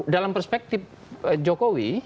dalam perspektif jokowi